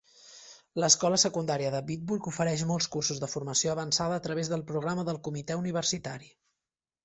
L'escola secundària de Bitburg ofereix molts cursos de formació avançada a través del programa del comitè universitari.